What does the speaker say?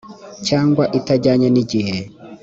cyangwa itajyanye n igihe